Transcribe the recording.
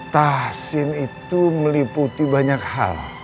tahsin itu meliputi banyak hal